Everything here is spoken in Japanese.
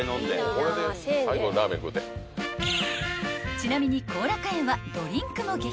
［ちなみに幸楽苑はドリンクも激安］